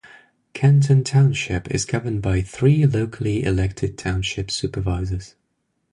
Canton Township is governed by three, locally elected Township Supervisors.